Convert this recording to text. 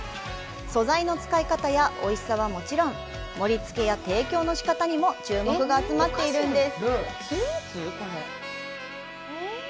素材の使い方やおいしさはもちろん盛りつけや提供の仕方にも注目が集まっているんです。